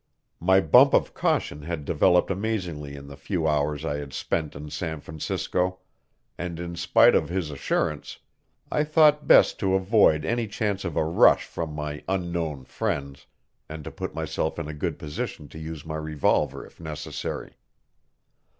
My bump of caution had developed amazingly in the few hours I had spent in San Francisco, and, in spite of his assurance, I thought best to avoid any chance of a rush from my unknown friends, and to put myself in a good position to use my revolver if necessary.